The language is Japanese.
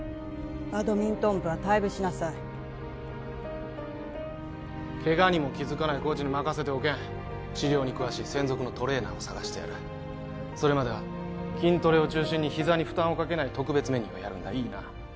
バドミントン部は退部しなさいケガにも気づかないコーチに任せておけん治療に詳しい専属のトレーナーを探してやるそれまでは筋トレを中心にひざに負担をかけない特別メニューをやるんだいいな？